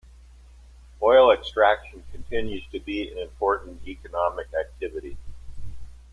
Oil extraction continues to be an important economic activity.